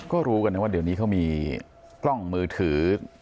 ก็รู้กันนะว่าเดี๋ยวนี้เขามีกล้องมือถือ